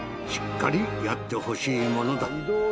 しっかりやってほしいものだ